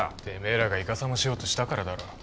てめえらがいかさましようとしたからだろ。